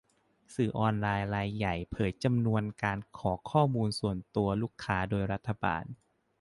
สื่อออนไลน์รายใหญ่เผยจำนวนการขอข้อมูลส่วนตัวลูกค้าโดยรัฐบาล